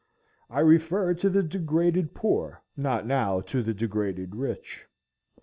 I refer to the degraded poor, not now to the degraded rich.